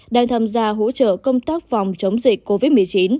đang tham gia hỗ trợ công tác phòng chống dịch covid một mươi chín